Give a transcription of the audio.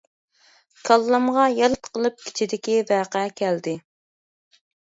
كاللامغا يالت قىلىپ كېچىدىكى ۋەقە كەلدى.